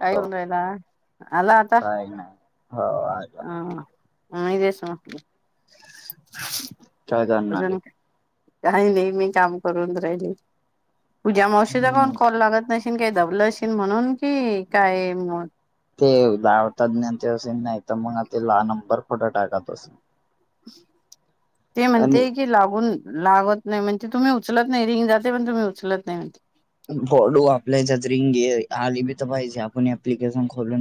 काय घेऊन रायला आला आता. काय नाही हो आला. हम इ ते स काय जाणाले काही नाही मी काम करून राहिली पूज्या मवशीध कान हम्म कॉल लागत नाही का दबलश म्हणून कि काय ते लावतात्ञ ते असे नाही तर मग ते ल नंबर खोटं टाकत अस ते म्हणते कि लागून लागत नाही म्हणजे तुम्ही उचलत नाही रिंग जाते पण तुम्ही उचलत नाही म्हण े आली भी पा आप एप्केशन खोल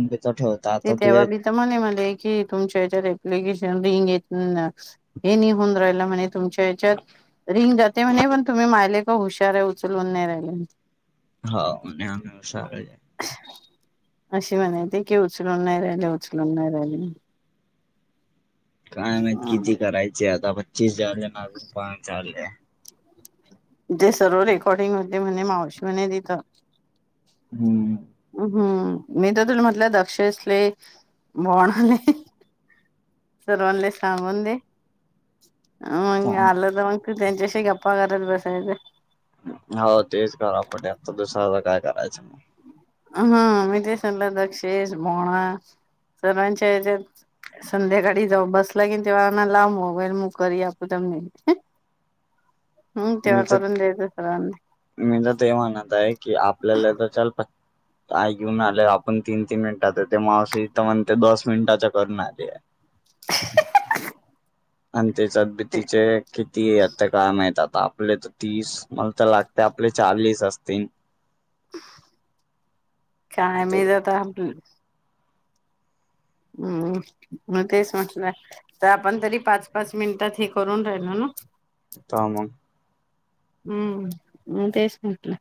ते तेव्हा बी तर मणे मला की तुमच्या हच्या एप्लिकेश हे नाय हुन राहील म्हणे तुमच्यात रिंग जाते म्हण तुम्हीं ी माहिले का हुशार उचलून नाही राहिले हा म आम सार अशी म्हणाती की उचलून नाही राहिले उचलून नाही राहिले काय मात किती करायचे आता पच्चस झालेज पाच झाले ते सर्व रेकॉर्डिंग होते म्हणे मावशी म्हणे दिथ हा हम्म मी तर तु म्हटलं दक्षसले बणाले सर्वाल्े साबंदे मंग आलं तर मग त हो तेच करा पटे आता दुसऱ्याला काय करायचं मग हा मी ते सल्ला दक्षेश भोणा सर्वांच्या हच्यात संध्याकाळी जाव बस लागी न तेव्हाना लाबोगल मू कर आपू तम [unintelligible] [inaudible] मीच सर्वांना ते म्हणत आहे की आपल्याला तर ल प ह [unintelligible] आऐ घेऊन आले आपण तीन तीन मिनिटात ते मावशी तर म्हण ते दस मिनिटाच्या करून आले [inaudible] आणि त्याच्यात ते भीतीचे किती आता काम आहेत आपले तर तीस मला तर लागते आपले चाळीस असतील काय मे जता हम्म मग तेच म्हटलं तर आपण तरी पाच पाच मिनिटात हे करून राहिल ना काम हम्म तेच म्हटलं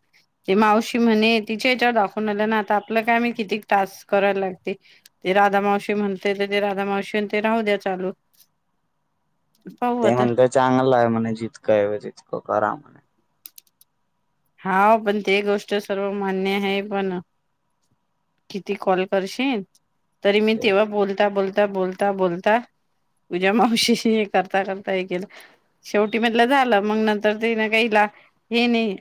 ते मावशी म्हणे तिच्या याच्यावर दाखव आल्या ना आता आपला काय किती तास करायला लागते ते राधा मावशी म्हणते ते राधा मावशी ते राहू द्या हो [inaudible] ते म्हणतय चांगलं आहे म्हणे जितकं आहे जितकं करा म्हणे हा पण ते गोष्ट सर्व मान्य आहे पण किती कॉल करशील तरी मी ते तेव्हा बोलता बोलता बोलता बोलता बोलता तूझ्या मावशीशी हे करता करता हे केलं शेवटी मधलं झालं मग नंतर ते ना काही ला हे नाही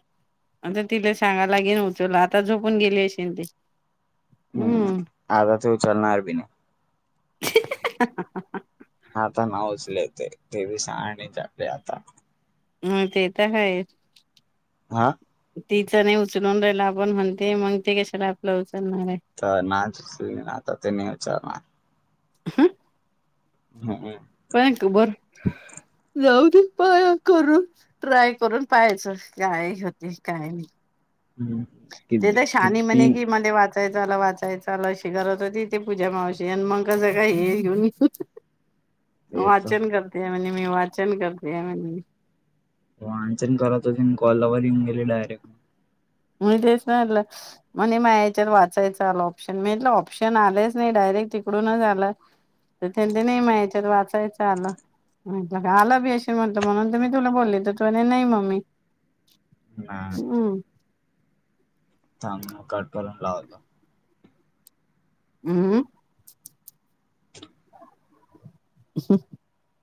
आता तिला सांगायलागे न उचला आता झोपून गेले असशेल ते हम्म आध तेऊचल ना अ ब नाही [unintelligible] आता ना उचले ते ते सांगणीच आपली आता ह ते तर ह हा तिचं नाही उचलून राहिला आपण म्हणते मगते कशाला आपलं उचलणार आहे तर ना ना आता तेनी विचारणार हम् हम कायक बर [unintelligible] जाऊ दे करून ट्राय करून पाहाचं काय होते काय नाही? हम्म ते किती तर शानी किती म्हणे की मध्ये वा वाचायला चला वाचायला अशी करत होती इथे पूजा मावशी आणि मग कसं काय हे घेऊने [inaudible] येतो वाचन करते म्हणे मी वाचन करते. वाचन करत होते मी कॉलवर येऊन गेली डायरेक्ट म्हणजेच म्हणे मया याच्यात वाचायचं आलं ऑप्शन म्हणे ऑप्शन आलेच नाही. [unintelligible] तुला मी आले असेल म्हटलं म्हणून मी तुला बोलली तर तु नाही मम्मी नाही नाही, हम्म थांब ना कट करून लावतो. हम्म [unintelligible]